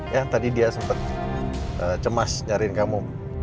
ya tadi dia sempat cemas nyariin kamu